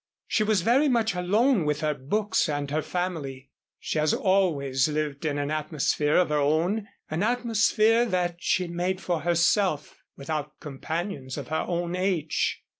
She was very much alone with her books and her family. She has always lived in an atmosphere of her own an atmosphere that she made for herself, without companions of her own age.